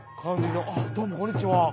あっどうもこんにちは。